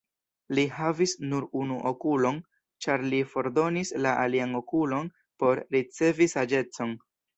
Li havis nur unu okulon, ĉar li fordonis la alian okulon por ricevi saĝecon.